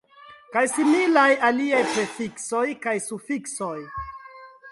Kaj similaj aliaj prefiksoj kaj sufiksoj.